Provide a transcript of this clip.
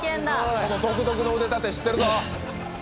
この独特の腕立て知ってるぞ！